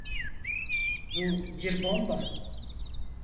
Bu bir bomba.